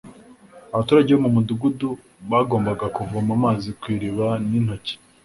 abaturage bo mu mudugudu bagombaga kuvoma amazi ku iriba n'intoki